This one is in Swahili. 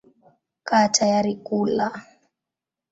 Kaa tayari kula.